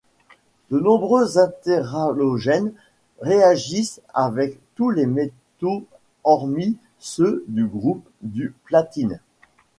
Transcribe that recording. De nombreux interhalogènes réagissent avec tous les métaux hormis ceux du groupe du platine.